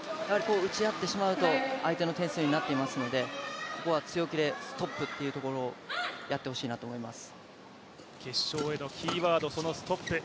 打ち合ってしまうと相手の点数になっていますのでここは強気でストップというところをやってほしいなと思います。